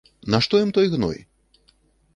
Нашто ім той гной?